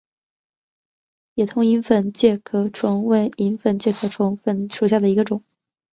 野桐蚁粉介壳虫为粉介壳虫科蚁粉介壳虫属下的一个种。